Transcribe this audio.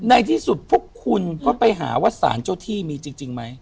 ในที่สุดพวกคุณก็ไปหาว่าสารเจ้าที่มีจริงไหม